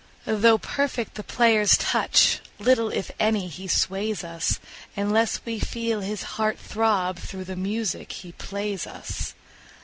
Though perfect the player's touch, little, if any, he sways us, Unless we feel his heart throb through the music he plays us.